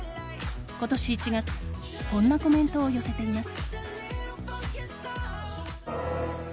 今年１月こんなコメントを寄せています。